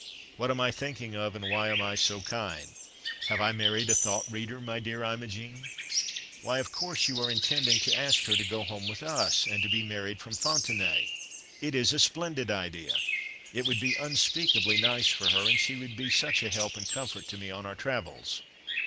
"What am I thinking of, and why am I so kind—have I married a thought reader, my dear Imogen?" "Why, of course, you are intending to ask her to go home with us, and to be married from Fontenaye. It is a splendid idea. It would be unspeakably nice for her, and she would be such a help and comfort to me, on our travels."